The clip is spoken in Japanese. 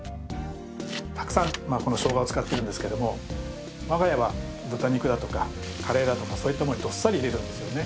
たくさんこの生姜を使ってるんですけれども我が家は豚肉だとかカレーだとかそういったものにどっさり入れるんですよね。